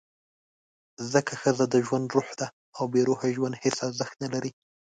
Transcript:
ځکه ښځه د ژوند «روح» ده، او بېروحه ژوند هېڅ ارزښت نه لري.